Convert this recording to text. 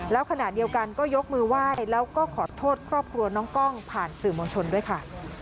แล้วขณะเดียวกันก็ยกมือไหว้แล้วก็ขอโทษครอบครัวน้องกล้องผ่านสื่อมวลชนด้วยค่ะ